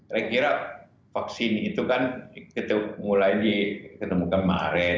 saya kira vaksin itu kan ketemu lagi ketemukan maret